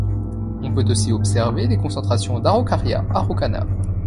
On peut aussi observer des concentrations d'Araucaria araucana.